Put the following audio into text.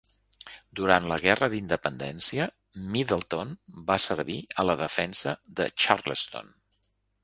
Durant la Guerra d'Independència, Middleton va servir a la defensa de Charleston.